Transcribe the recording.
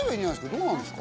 どうなんですか？